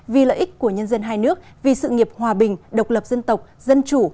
vì lợi ích của nhân dân hai nước vì sự nghiệp hòa bình độc lập dân tộc dân chủ